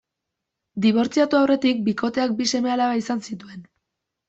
Dibortziatu aurretik, bikoteak bi seme-alaba izan zituen.